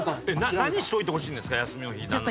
何しておいてほしいんですか？